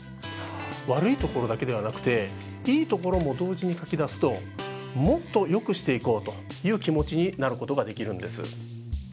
悪い所だけではなくていい所も同時に書き出すともっとよくしていこうという気持ちになることができるんです。